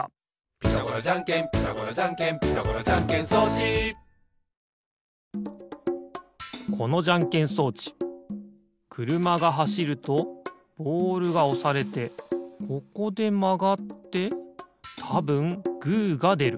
「ピタゴラじゃんけんピタゴラじゃんけん」「ピタゴラじゃんけん装置」このじゃんけん装置くるまがはしるとボールがおされてここでまがってたぶんグーがでる。